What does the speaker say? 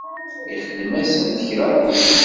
Ixdem-asent kra?